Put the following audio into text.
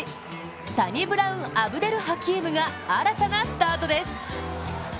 サニブラウン・アブデル・ハキームが新たなスタートです。